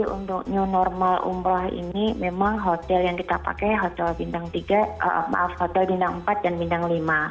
untuk new normal umroh ini memang hotel yang kita pakai hotel bintang tiga maaf hotel bintang empat dan bintang lima